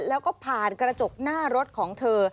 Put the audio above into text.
แล้วก็ผ่านกระจกหน้ารถของเธอ